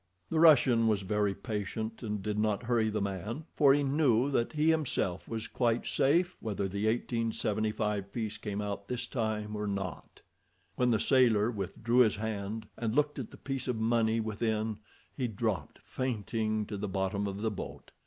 The Russian was very patient, and did not hurry the man, for he knew that he himself was quite safe whether the 1875 piece came out this time or not. When the sailor withdrew his hand and looked at the piece of money within, he dropped fainting to the bottom of the boat.